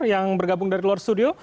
yang bergabung dari luar studio